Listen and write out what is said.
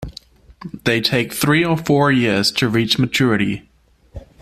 They take three or four years to reach maturity.